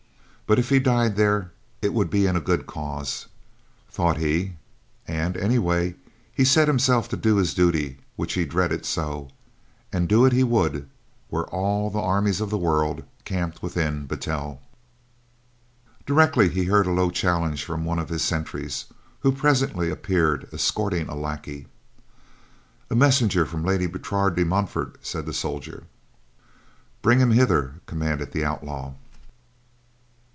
But if he died there, it would be in a good cause, thought he and, anyway, he had set himself to do this duty which he dreaded so, and do it he would were all the armies of the world camped within Battel. Directly he heard a low challenge from one of his sentries, who presently appeared escorting a lackey. "A messenger from Lady Bertrade de Montfort," said the soldier. "Bring him hither," commanded the outlaw.